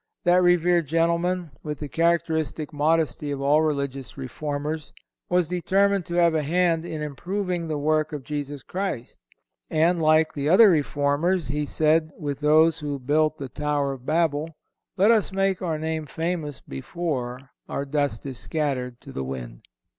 That reverend gentleman, with the characteristic modesty of all religious reformers, was determined to have a hand in improving the work of Jesus Christ; and, like the other reformers, he said, with those who built the tower of Babel: "Let us make our name famous before"(172) our dust is scattered to the wind.